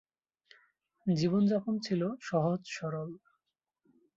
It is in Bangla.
জীবনযাপন ছিল সহজ সরল।